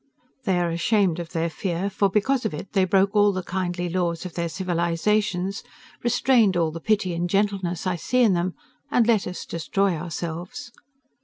They are ashamed of their fear, for because of it they broke all the kindly laws of their civilizations, restrained all the pity and gentleness I see in them, and let us destroy ourselves.